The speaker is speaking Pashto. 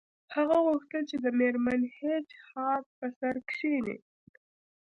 هغه غوښتل چې د میرمن هیج هاګ په سر کښینی